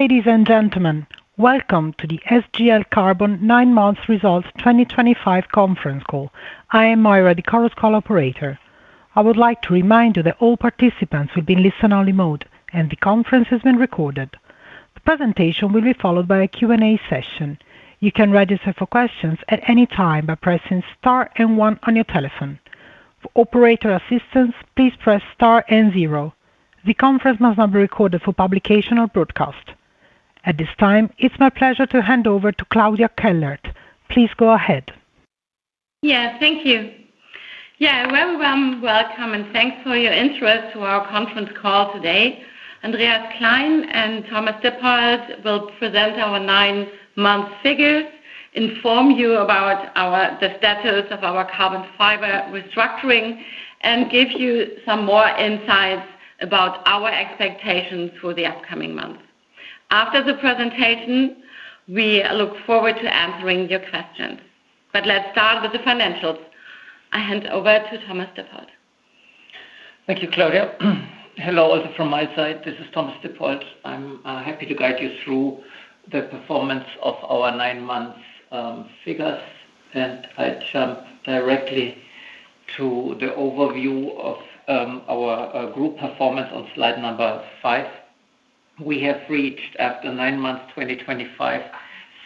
Ladies and gentlemen, welcome to the SGL Carbon 9-month results 2025 conference call. I am Maira, the call operator. I would like to remind you that all participants will be in listen-only mode and the conference is being recorded. The presentation will be followed by a Q&A session. You can register for questions at any time by pressing star and zero on your telephone. For operator assistance, please press star and zero. The conference must not be recorded for publication or broadcast. At this time, it's my pleasure to hand over to Claudia Kellert. Please go ahead. Yeah, thank you. Yeah, welcome and thanks for your interest in our conference call today. Andreas Klein and Thomas Dippold will present our 9-month figures, inform you about the status of our carbon fiber restructuring, and give you some more insights about our expectations for the upcoming months. After the presentation, we look forward to answering your questions. Let's start with the financials. I hand over to Thomas Dippold. Thank you, Claudia. Hello, also from my side. This is Thomas Dippold. I'm happy to guide you through the performance of our 9-month figures, and I jump directly to the overview of our group performance on slide number 5. We have reached, after 9 months 2025,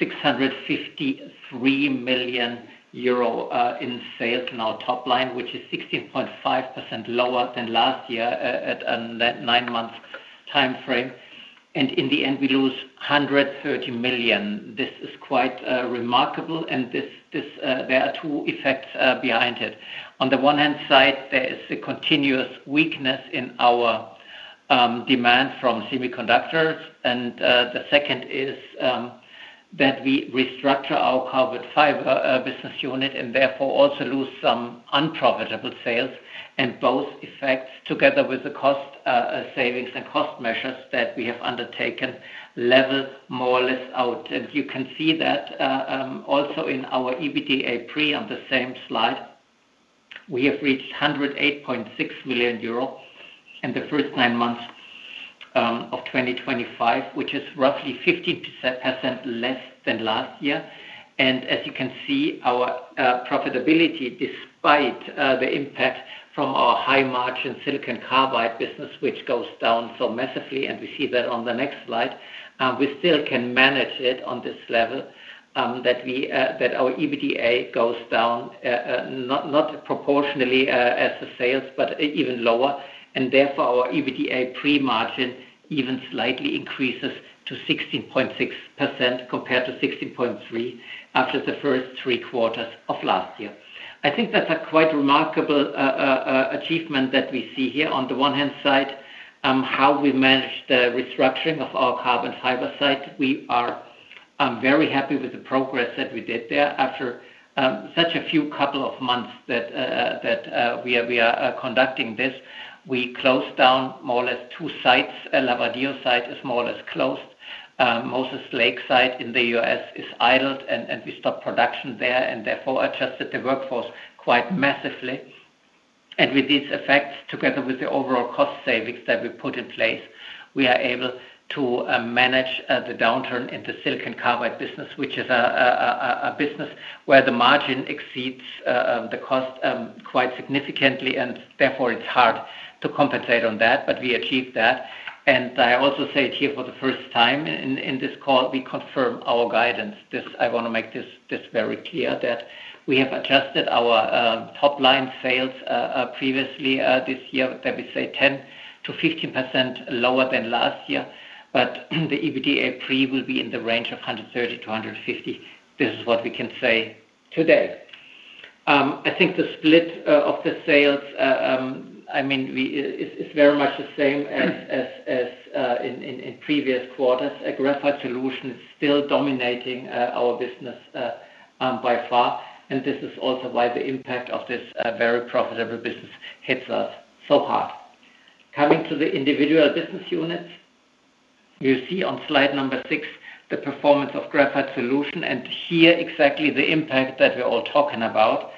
653 million euro in sales in our top line, which is 16.5% lower than last year at a 9-month time frame. In the end, we lose 130 million. This is quite remarkable, and there are two effects behind it. On the one hand side, there is a continuous weakness in our demand from semiconductors, and the second is that we restructure our carbon fiber business unit and therefore also lose some unprofitable sales. Both effects, together with the cost savings and cost measures that we have undertaken, level more or less out. You can see that. Also in our EBITDA pre on the same slide. We have reached 108.6 million euro in the first nine months of 2025, which is roughly 15% less than last year. As you can see, our profitability, despite the impact from our high-margin silicon carbide business, which goes down so massively, and we see that on the next slide, we still can manage it on this level that our EBITDA goes down, not proportionally as the sales, but even lower. Therefore, our EBITDA pre-margin even slightly increases to 16.6% compared to 16.3% after the first three quarters of last year. I think that's a quite remarkable achievement that we see here. On the one hand side, how we managed the restructuring of our carbon fiber site, we are very happy with the progress that we did there after such a few couple of months that we are conducting this. We closed down more or less two sites. Laverton site is more or less closed. Moses Lake site in the U.S. is idled, and we stopped production there and therefore adjusted the workforce quite massively. With these effects, together with the overall cost savings that we put in place, we are able to manage the downturn in the silicon carbide business, which is a business where the margin exceeds the cost quite significantly, and therefore it is hard to compensate on that, but we achieved that. I also say it here for the first time in this call, we confirm our guidance. I want to make this very clear that we have adjusted our top line sales previously this year, that we say 10%-15% lower than last year, but the EBITDA pre will be in the range of 130 million-150 million. This is what we can say today. I think the split of the sales, I mean, is very much the same as in previous quarters. A graphite solution is still dominating our business by far, and this is also why the impact of this very profitable business hits us so hard. Coming to the individual business units. You see on slide number 6 the performance of graphite solution and here exactly the impact that we're all talking about.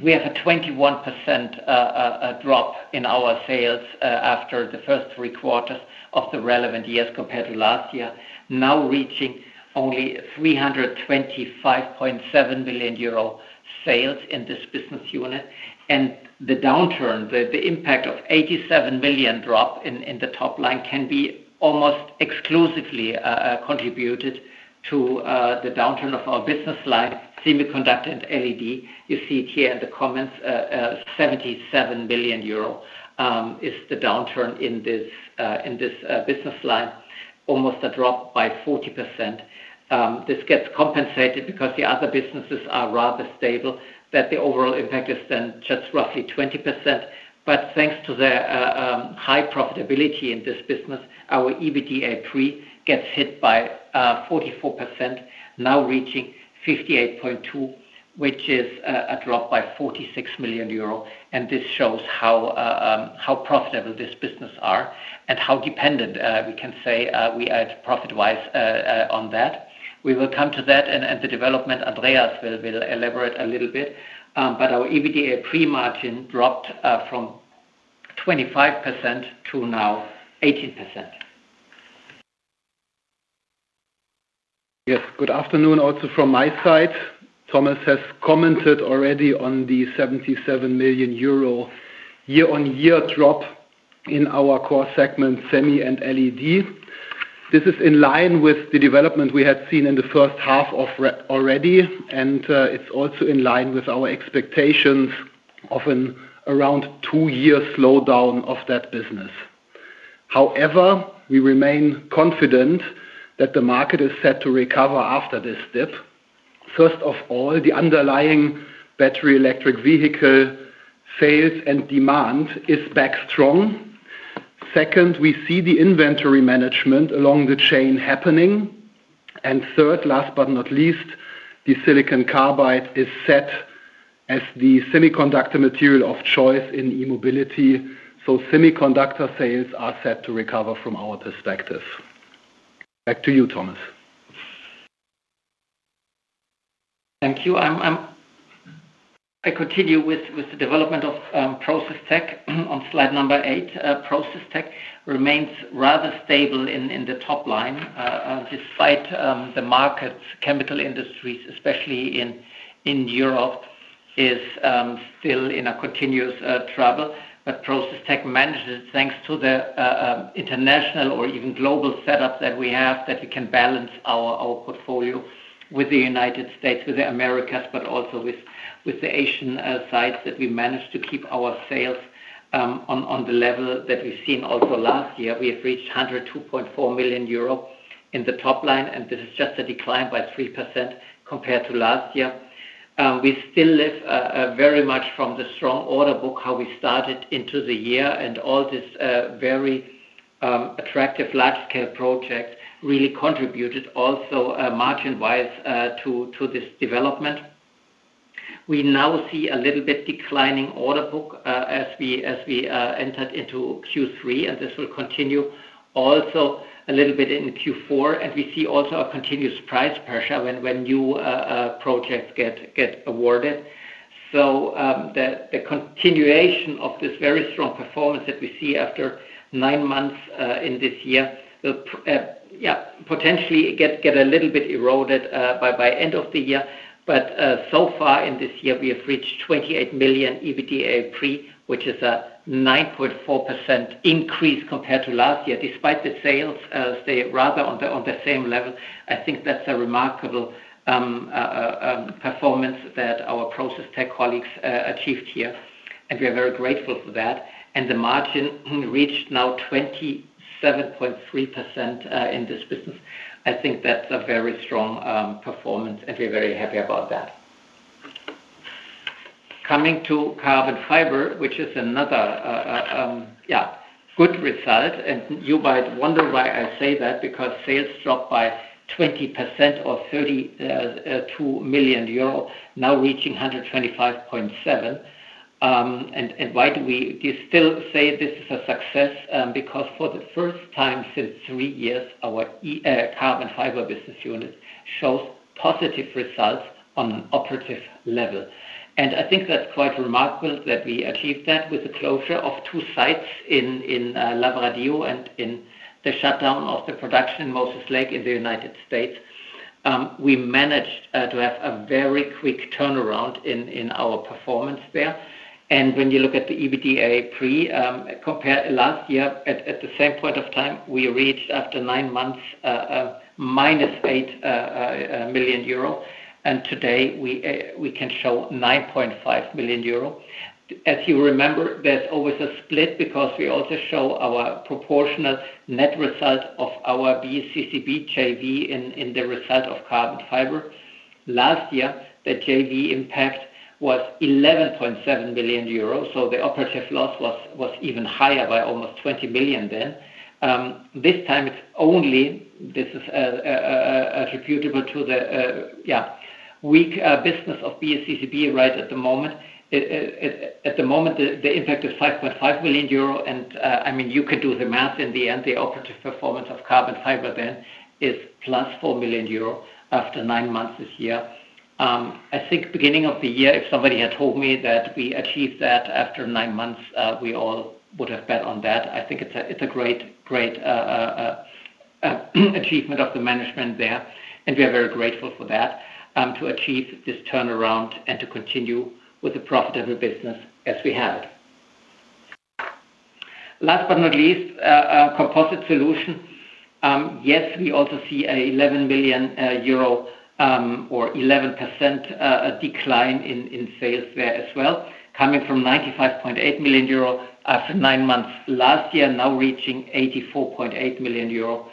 We have a 21% drop in our sales after the first three quarters of the relevant years compared to last year, now reaching only 325.7 million euro sales in this business unit. The downturn, the impact of an 87 million drop in the top line can be almost exclusively contributed to the downturn of our business line, semiconductor and LED. You see it here in the comments. 77 million euro. Is the downturn in this business line, almost a drop by 40%. This gets compensated because the other businesses are rather stable, that the overall impact is then just roughly 20%. Thanks to the high profitability in this business, our EBITDA pre gets hit by 44%, now reaching 58.2 million, which is a drop by 46 million euro. This shows how profitable this business is and how dependent we can say we are profit-wise on that. We will come to that, and the development Andreas will elaborate a little bit, but our EBITDA pre-margin dropped from 25% to now 18%. Yes, good afternoon also from my side. Thomas has commented already on the 77 million euro year-on-year drop in our core segment, semi and LED. This is in line with the development we had seen in the first half of already, and it is also in line with our expectations of an around two-year slowdown of that business. However, we remain confident that the market is set to recover after this dip. First of all, the underlying battery electric vehicle sales and demand is back strong. Second, we see the inventory management along the chain happening. Third, last but not least, the silicon carbide is set as the semiconductor material of choice in e-mobility, so semiconductor sales are set to recover from our perspective. Back to you, Thomas. Thank you. I continue with the development of process tech on slide number 8. Process tech remains rather stable in the top line, despite the markets. Chemical industries, especially in Europe, are still in continuous trouble, but process tech manages thanks to the international or even global setup that we have that we can balance our portfolio with the United States, with the Americas, but also with the Asian sides that we manage to keep our sales on the level that we have seen also last year. We have reached 102.4 million euro in the top line, and this is just a decline by 3% compared to last year. We still live very much from the strong order book how we started into the year, and all this very attractive large-scale project really contributed also margin-wise to this development. We now see a little bit declining order book as we entered into Q3, and this will continue also a little bit in Q4. We see also a continuous price pressure when new projects get awarded. The continuation of this very strong performance that we see after nine months in this year will potentially get a little bit eroded by the end of the year. So far in this year, we have reached 28 million EBITDA pre, which is a 9.4% increase compared to last year. Despite the sales staying rather on the same level, I think that's a remarkable performance that our process tech colleagues achieved here, and we are very grateful for that. The margin reached now 27.3% in this business. I think that's a very strong performance, and we're very happy about that. Coming to carbon fiber, which is another. Good result, and you might wonder why I say that, because sales dropped by 20% or 32 million euro, now reaching 125.7 million. And why do we still say this is a success? Because for the first time since three years, our carbon fiber business unit shows positive results on an operative level. And I think that's quite remarkable that we achieved that with the closure of two sites in Laverton and in the shutdown of the production in Moses Lake in the United States. We managed to have a very quick turnaround in our performance there. And when you look at the EBITDA pre, compared to last year, at the same point of time, we reached after nine months -8 million euro. And today we can show 9.5 million euro. As you remember, there's always a split because we also show our proportional net result of our BCCB JV in the result of carbon fiber. Last year, the JV impact was 11.7 million euros, so the operative loss was even higher by almost 20 million then. This time, it's only. This is attributable to the. Weak business of BCCB right at the moment. At the moment, the impact is 5.5 million euro, and I mean, you can do the math in the end. The operative performance of carbon fiber then is +4 million euro after 9 months this year. I think beginning of the year, if somebody had told me that we achieved that after 9 months, we all would have bet on that. I think it's a great. Achievement of the management there, and we are very grateful for that, to achieve this turnaround and to continue with the profitable business as we have it. Last but not least, composite solution. Yes, we also see a 11 million euro, or 11%, decline in sales there as well, coming from 95.8 million euro after nine months last year, now reaching 84.8 million euro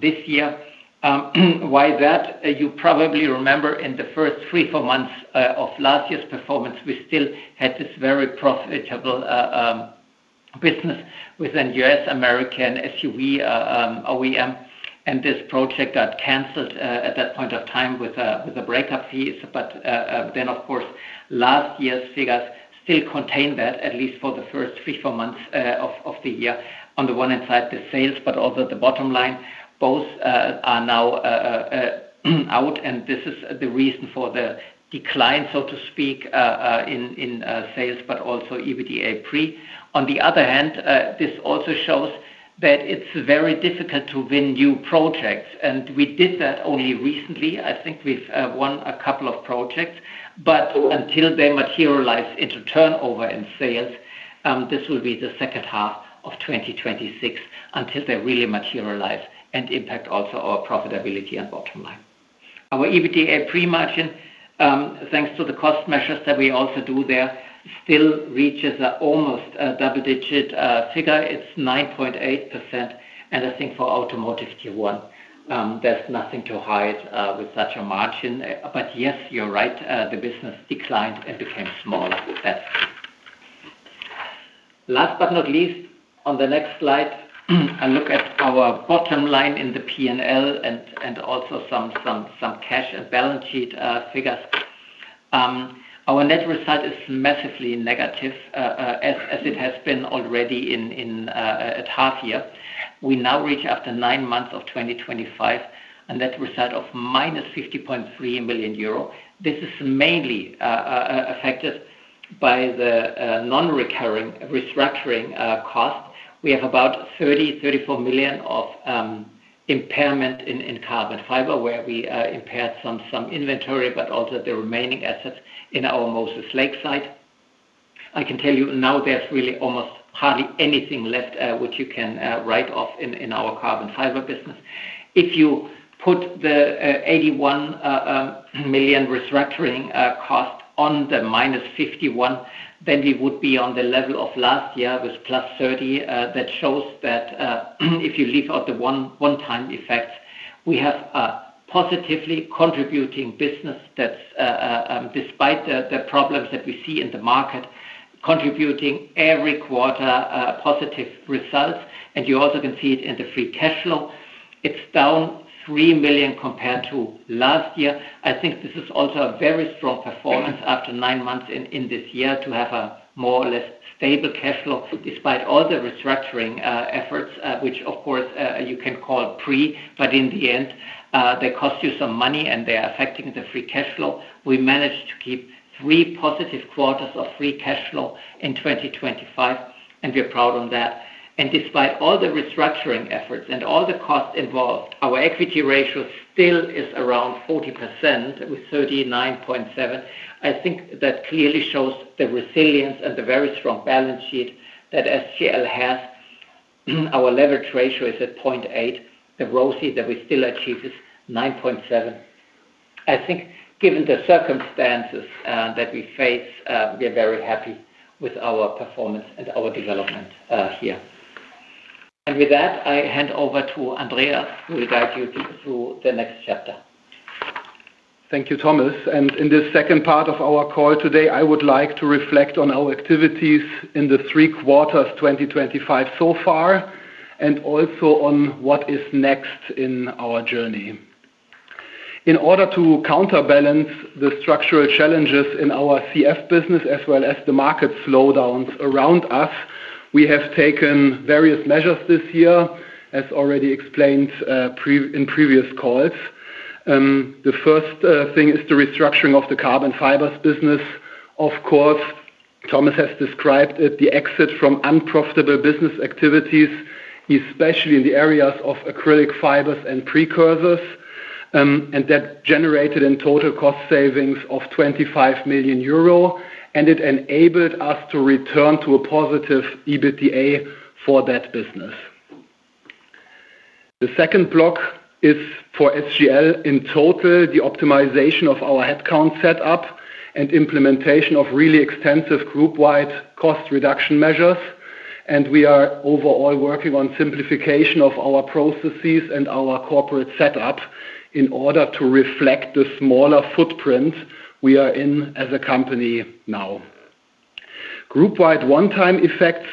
this year. Why that? You probably remember in the first three, four months of last year's performance, we still had this very profitable business within US, America, and SUV OEM, and this project got canceled at that point of time with a breakup fee. Last year's figures still contain that, at least for the first three, four months of the year. On the one hand side, the sales, but also the bottom line, both are now. Out, and this is the reason for the decline, so to speak, in sales, but also EBITDA pre. On the other hand, this also shows that it's very difficult to win new projects, and we did that only recently. I think we've won a couple of projects, but until they materialize into turnover and sales, this will be the second half of 2026 until they really materialize and impact also our profitability and bottom line. Our EBITDA pre-margin, thanks to the cost measures that we also do there, still reaches almost a double-digit figure. It's 9.8%, and I think for automotive Tier 1, there's nothing to hide with such a margin. Yes, you're right, the business declined and became smaller. That's it. Last but not least, on the next slide, I look at our bottom line in the P&L and also some cash and balance sheet figures. Our net result is massively negative, as it has been already in a half year. We now reach, after nine months of 2025, a net result of 50.3 million euro. This is mainly affected by the non-recurring restructuring cost. We have about 30 million, 34 million of impairment in carbon fiber, where we impaired some inventory, but also the remaining assets in our Moses Lake site. I can tell you now there's really almost hardly anything left which you can write off in our carbon fiber business. If you put the 81 million restructuring cost on the -51 million, then we would be on the level of last year with +30 million. That shows that if you leave out the one-time effects, we have a positively contributing business that's, despite the problems that we see in the market, contributing every quarter positive results. You also can see it in the free cash flow. It is down 3 million compared to last year. I think this is also a very strong performance after nine months in this year to have a more or less stable cash flow, despite all the restructuring efforts, which, of course, you can call pre, but in the end, they cost you some money and they are affecting the free cash flow. We managed to keep three positive quarters of free cash flow in 2025, and we are proud of that. Despite all the restructuring efforts and all the costs involved, our equity ratio still is around 40% with 39.7 million. I think that clearly shows the resilience and the very strong balance sheet that SGL Carbon has. Our leverage ratio is at 0.8. The ROSI that we still achieve is 9.7%. I think given the circumstances that we face, we're very happy with our performance and our development here. With that, I hand over to Andreas who will guide you through the next chapter. Thank you, Thomas. In this second part of our call today, I would like to reflect on our activities in the three quarters 2025 so far and also on what is next in our journey. In order to counterbalance the structural challenges in our CF business as well as the market slowdowns around us, we have taken various measures this year, as already explained in previous calls. The first thing is the restructuring of the carbon fiber business. Of course, Thomas has described it, the exit from unprofitable business activities, especially in the areas of acrylic fibers and precursors. That generated in total cost savings of 25 million euro, and it enabled us to return to a positive EBITDA for that business. The second block is for SGL in total, the optimization of our headcount setup and implementation of really extensive group-wide cost reduction measures. We are overall working on simplification of our processes and our corporate setup in order to reflect the smaller footprint we are in as a company now. Group-wide one-time effects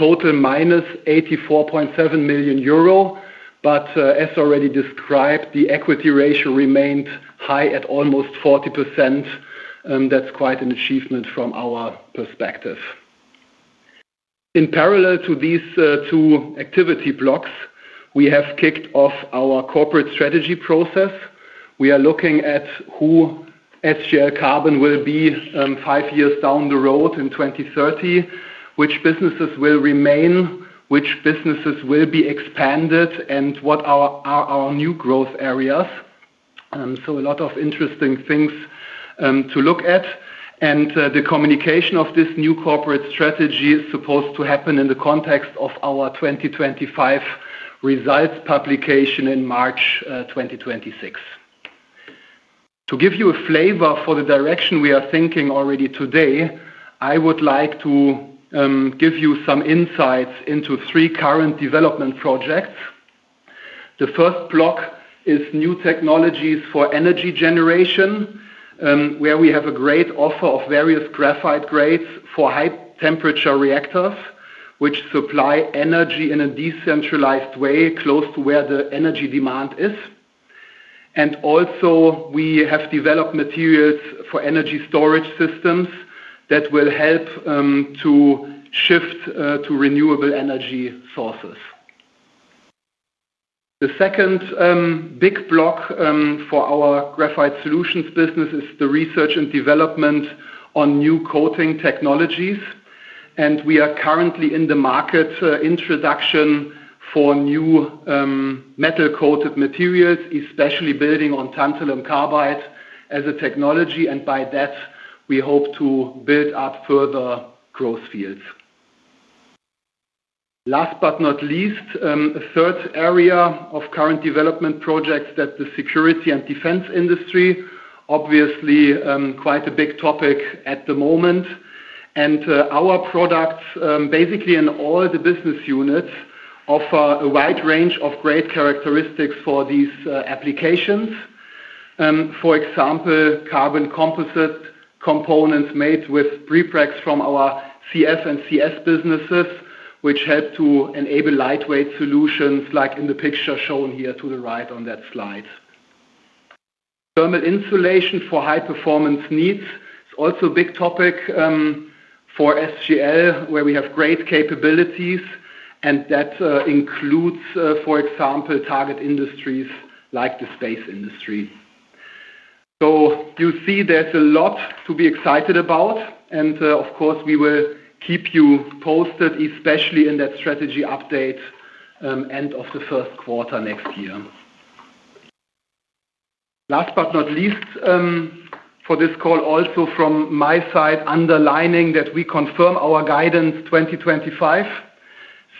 total 84.7 million euro, but as already described, the equity ratio remained high at almost 40%. That is quite an achievement from our perspective. In parallel to these two activity blocks, we have kicked off our corporate strategy process. We are looking at who SGL Carbon will be five years down the road in 2030, which businesses will remain, which businesses will be expanded, and what are our new growth areas. A lot of interesting things to look at. The communication of this new corporate strategy is supposed to happen in the context of our 2025 results publication in March 2026. To give you a flavor for the direction we are thinking already today, I would like to. Give you some insights into three current development projects. The first block is new technologies for energy generation. We have a great offer of various graphite grades for high-temperature reactors, which supply energy in a decentralized way close to where the energy demand is. We have developed materials for energy storage systems that will help to shift to renewable energy sources. The second big block for our graphite solutions business is the research and development on new coating technologies. We are currently in the market introduction for new metal-coated materials, especially building on tantalum carbide as a technology. By that, we hope to build up further growth fields. Last but not least, a third area of current development projects is the security and defense industry, obviously quite a big topic at the moment. Our products, basically in all the business units, offer a wide range of great characteristics for these applications. For example, carbon composite components made with prepregs from our CF and CS businesses, which help to enable lightweight solutions like in the picture shown here to the right on that slide. Thermal insulation for high-performance needs is also a big topic for SGL, where we have great capabilities, and that includes, for example, target industries like the space industry. You see there is a lot to be excited about, and of course, we will keep you posted, especially in that strategy update end of the first quarter next year. Last but not least, for this call, also from my side, underlining that we confirm our guidance 2025.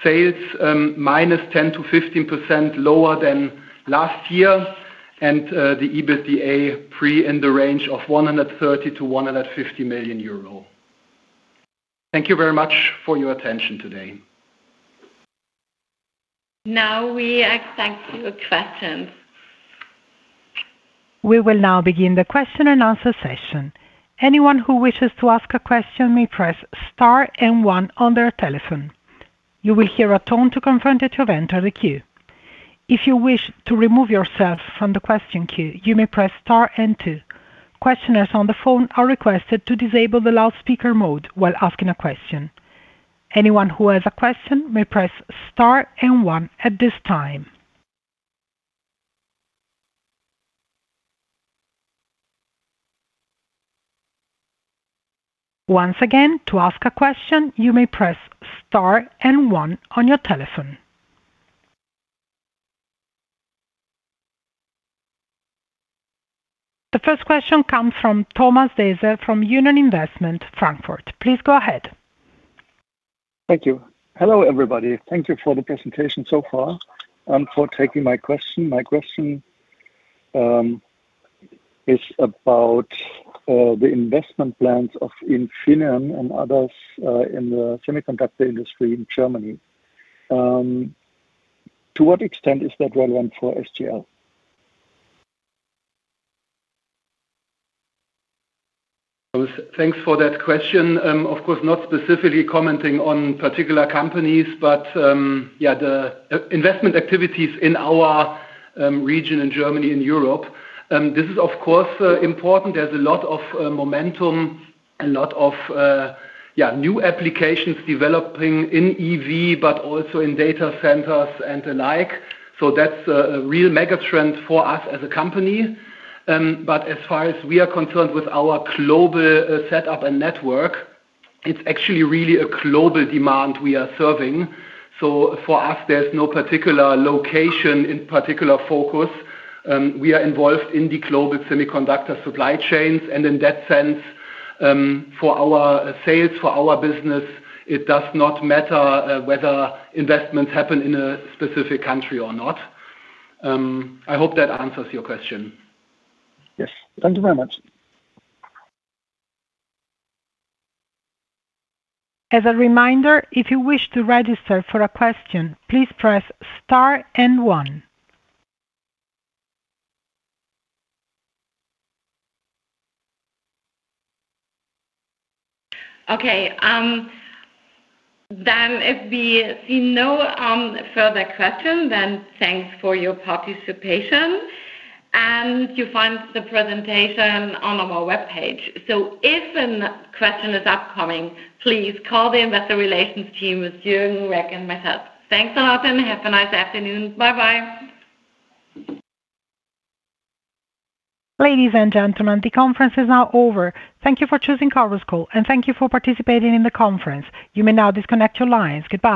Sales 10%-15% lower than last year, and the EBITDA pre in the range of 130 million-150 million euro. Thank you very much for your attention today. Now we accept your questions. We will now begin the question-and-answer session. Anyone who wishes to ask a question may press Star and 1 on their telephone. You will hear a tone to confirm that you have entered the queue. If you wish to remove yourself from the question queue, you may press star and two. Questioners on the phone are requested to disable the loudspeaker mode while asking a question. Anyone who has a question may press Star and 1 at this time. Once again, to ask a question, you may press star and one on your telephone. The first question comes from Thomas Deser from Union Investment, Frankfurt. Please go ahead. Thank you. Hello, everybody. Thank you for the presentation so far and for taking my question. My question is about the investment plans of Infineon and others in the semiconductor industry in Germany. To what extent is that relevant for SGL? Thanks for that question. Of course, not specifically commenting on particular companies, but yeah, the investment activities in our region in Germany, in Europe. This is, of course, important. There is a lot of momentum, a lot of new applications developing in EV, but also in data centers and the like. That is a real mega trend for us as a company. As far as we are concerned with our global setup and network, it is actually really a global demand we are serving. For us, there is no particular location, in particular focus. We are involved in the global semiconductor supply chains. In that sense, for our sales, for our business, it does not matter whether investments happen in a specific country or not. I hope that answers your question. Yes. Thank you very much. As a reminder, if you wish to register for a question, please press star and 1. Okay. If we see no further questions, thanks for your participation. You find the presentation on our web page. If a question is upcoming, please call the investor relations team with Jürgen Reck and myself. Thanks a lot and have a nice afternoon. Bye-bye. Ladies and gentlemen, the conference is now over. Thank you for choosing Carver's Call, and thank you for participating in the conference. You may now disconnect your lines. Goodbye.